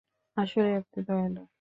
আসলেই আপনি দয়ালু।